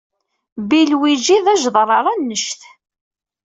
Bill wiji d ajeḍrar an ceč.